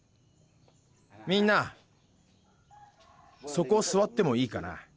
みんなそこすわってもいいかな。